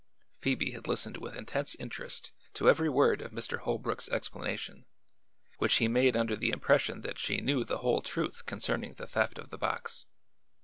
Phoebe had listened with intense interest to every word of Mr. Holbrook's explanation, which he made under the impression that she knew the whole truth concerning the theft of the box.